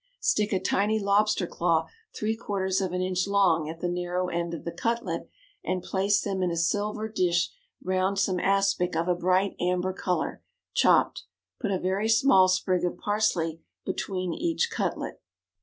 Stick a tiny lobster claw three quarters of an inch long at the narrow end of the cutlet, and place them in a silver dish round some aspic of a bright amber color, chopped. Put a very small sprig of parsley between each cutlet.